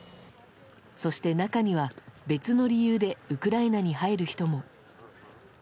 そして、中には別の理由でウクライナに入る人も。